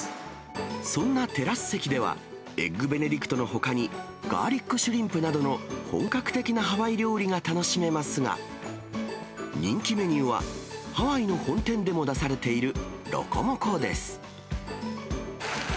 そんなテラス席では、エッグベネディクトのほかに、ガーリックシュリンプなどの本格的なハワイ料理が楽しめますが、人気メニューは、ハワイの本店でも出されているロコモコです。